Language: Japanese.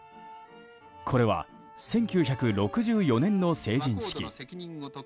これは１９６４年の成人式。